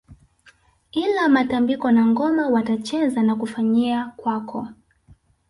Ila matambiko na ngoma watacheza na kufanyia kwako